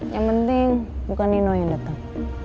yang penting bukan nino yang datang